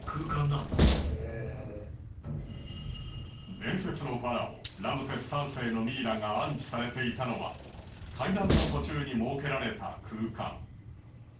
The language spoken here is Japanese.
伝説のファラオラムセス３世のミイラが安置されていたのは階段の途中に設けられた空間。